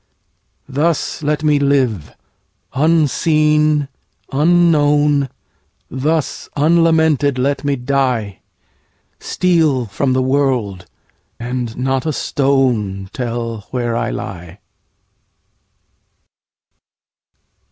Thus let me live, unseen, unknown; Thus unlamented let me die; Steal from the world, and not a stoneTell where I lie.